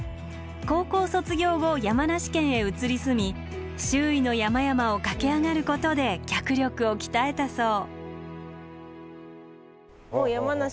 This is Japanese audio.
高校卒業後山梨県へ移り住み周囲の山々を駆け上がることで脚力を鍛えたそう。